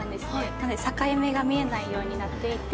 なので境目が見えないようになっていて。